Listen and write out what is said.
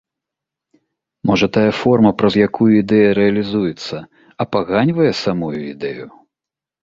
Можа тая форма, праз якую ідэя рэалізуецца, апаганьвае самую ідэю?